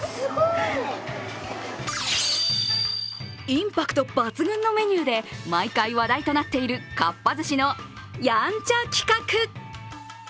インパクト抜群のメニューで毎回話題となっているかっぱ寿司のやんちゃ企画。